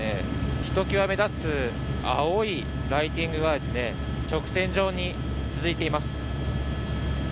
ひときわ目立つ青いライティングが直線状に続いています。